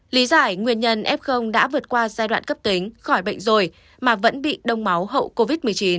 lý giải nguyên nhân f đã vượt qua giai đoạn cấp tính khỏi bệnh rồi mà vẫn bị đông máu hậu covid một mươi chín